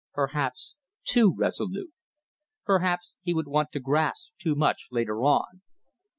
Perhaps too resolute. Perhaps he would want to grasp too much later on.